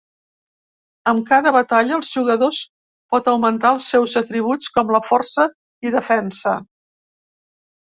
Amb cada batalla, els jugadors pot augmentar els seus atributs com la força i defensa.